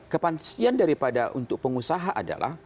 kepastian daripada untuk pengusaha adalah